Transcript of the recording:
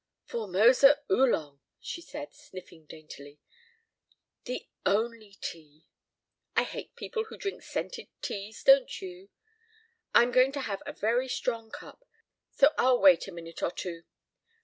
"Formosa Oolong," she said, sniffing daintily. "The only tea. I hate people who drink scented teas, don't you? I'm going to have a very strong cup, so I'll wait a minute or two.